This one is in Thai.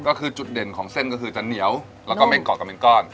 ก็คือจุดเด่นของเส้นก็คือจะเหนียวแล้วก็ไม่เกาะกันเป็นก้อน